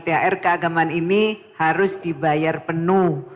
thr keagamaan ini harus dibayar penuh